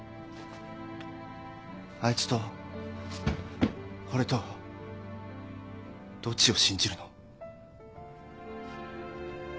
あいつと俺とどっちを信じるの？